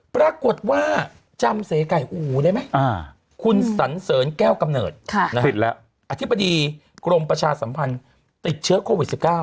ปรากฏว่าจำเสไก่อูได้ไหมคุณสันเสริญแก้วกำเนิดแล้วอธิบดีกรมประชาสัมพันธ์ติดเชื้อโควิด๑๙